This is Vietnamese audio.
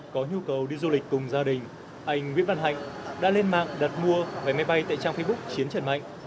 có nhu cầu đi du lịch cùng gia đình anh nguyễn văn hạnh đã lên mạng đặt mua vé máy bay tại trang facebook chiến trần mạnh